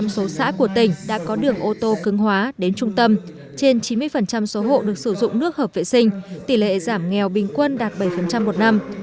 một trăm linh số xã của tỉnh đã có đường ô tô cứng hóa đến trung tâm trên chín mươi số hộ được sử dụng nước hợp vệ sinh tỷ lệ giảm nghèo bình quân đạt bảy một năm